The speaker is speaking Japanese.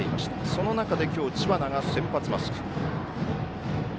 その中で今日は知花が先発マスク。